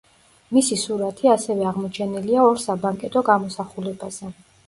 მისი სურათი ასევე აღმოჩენილია ორ საბანკეტო გამოსახულებაზე.